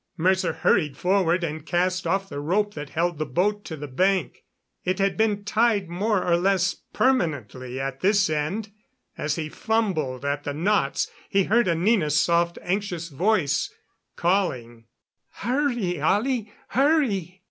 Mercer hurried forward and cast off the rope that held the boat to the bank. It had been tied more or less permanently at this end. As he fumbled at the knots he heard Anina's soft, anxious voice calling: "Hurry, Ollie, hurry!"